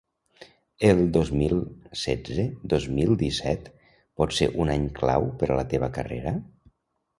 El dos mil setze-dos mil disset pot ser un any clau per a la teva carrera?